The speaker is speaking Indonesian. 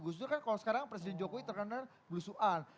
gus dur kan kalau sekarang presiden jokowi terkenal belusuan